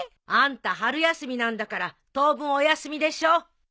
あんた春休みなんだから当分お休みでしょう。